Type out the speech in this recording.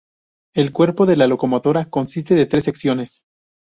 El cuerpo de la locomotora consiste de tres secciones.